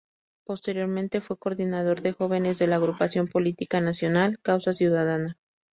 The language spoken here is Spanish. Posteriormente fue coordinador de jóvenes de la agrupación política nacional "Causa Ciudadana".